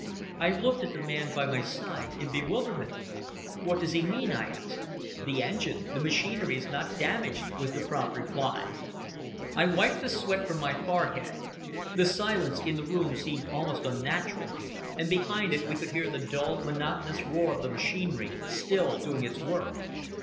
I looked at the man by my side in bewilderment. "What does he mean?" I asked. "The engine! The machinery is not damaged!" was the prompt reply. I wiped the sweat from my forehead. The silence in the room seemed almost unnatural, and behind it we could hear the dull, monotonous roar of the machinery, still doing its work.